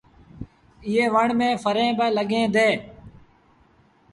ايئي وڻ ميݩ ڦريٚݩ با لڳيٚن ديٚݩ۔